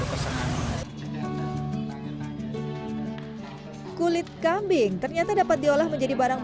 ini berbalaha saya taro dengan panggilan dalamntenization unenang jadi kualitas